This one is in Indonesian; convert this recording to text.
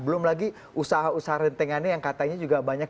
belum lagi usaha usaha rentengannya yang katanya juga banyak